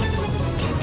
aku mau ke rumah